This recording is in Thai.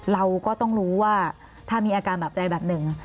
เราก็ต้องรู้ว่าถ้ามีอาการแบบใดแบบหนึ่ง